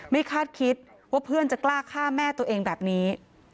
คาดคิดว่าเพื่อนจะกล้าฆ่าแม่ตัวเองแบบนี้